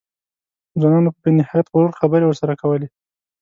ځوانانو په بې نهایت غرور خبرې ورسره کولې.